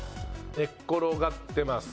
寝っ転がってます。